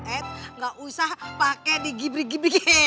ed gak usah pake digibrik gibrik